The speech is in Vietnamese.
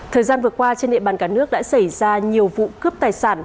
thời gian vừa qua trên địa bàn cả nước đã xảy ra nhiều vụ cướp tài sản